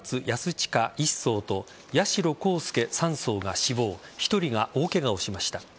親１曹と八代航佑３曹が死亡１人が大ケガをしました。